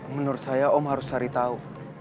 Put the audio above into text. menurut saya om harus cari tahu